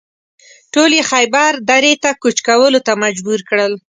ټول یې خیبر درې ته کوچ کولو ته مجبور کړل.